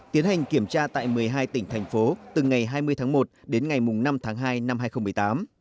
tiến hành kiểm tra tại một mươi hai tỉnh thành phố từ ngày hai mươi tháng một đến ngày năm tháng hai năm hai nghìn một mươi tám